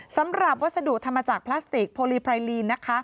วัสดุทำมาจากพลาสติกโพลีไพรลีนนะคะ